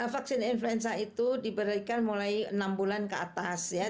vaksin influenza itu diberikan mulai enam bulan ke atas ya